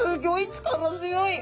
力強い。